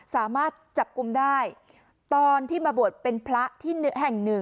สามารถจับกลุ่มได้ตอนที่มาบวชเป็นพระที่แห่งหนึ่ง